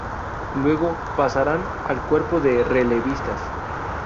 Luego, pasarán al cuerpo de relevistas.